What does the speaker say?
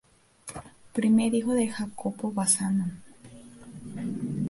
Primer hijo de Jacopo Bassano.